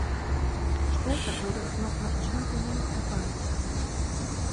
Später wurde es noch nach Tübingen erweitert.